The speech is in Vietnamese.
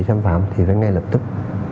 xâm phạm thì phải ngay lập tức